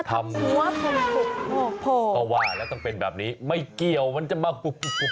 ทำหัวปุกโผล่ก็ว่าแล้วต้องเป็นแบบนี้ไม่เกี่ยวมันจะมาปุกโผล่เลยเหรอ